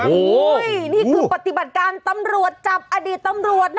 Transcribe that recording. โอ้โหนี่คือปฏิบัติการตำรวจจับอดีตตำรวจนะ